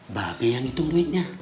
mba be yang hitung duitnya